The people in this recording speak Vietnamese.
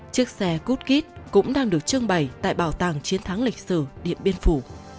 chiếc xe cút kít cũng đang được trưng bày tại bảo tàng chiến thắng lịch sử điện biên phủ